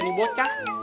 dan ini bocah